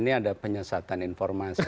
ini ada penyesatan informasi